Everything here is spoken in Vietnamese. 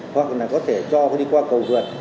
hoặc là có thể cho đi qua cầu vượt